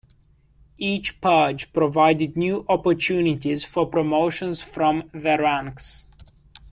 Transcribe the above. Each purge provided new opportunities for promotions from the ranks.